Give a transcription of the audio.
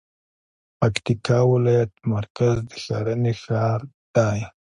پکتيکا ولايت مرکز د ښرنې ښار دی